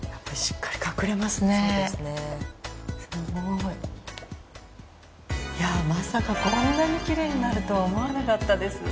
いやまさかこんなにきれいになるとは思わなかったです。